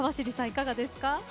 いかがですか？